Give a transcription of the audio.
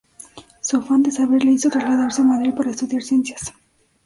Su afán de saber le hizo trasladarse a Madrid para estudiar Ciencias.